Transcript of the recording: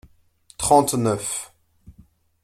Trente-neuf.